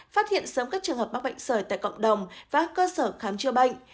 phát hiện sớm các trường hợp mắc bệnh sởi tại cộng đồng và các cơ sở khám chữa bệnh